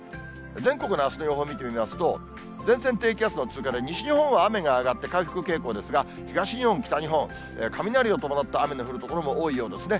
全国のあすの予想を見てみますと、前線、低気圧の通過で、西日本は雨が上がって回復傾向ですが、東日本、北日本、雷を伴った雨の降る所も多いようですね。